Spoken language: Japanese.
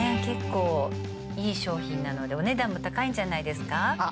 結構いい商品なのでお値段も高いんじゃないですか？